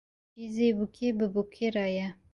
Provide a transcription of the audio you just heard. Cîzê bûkê bi bûkê re ye